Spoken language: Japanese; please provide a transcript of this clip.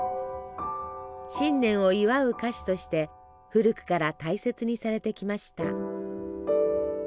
新年を祝う菓子として古くから大切にされてきました。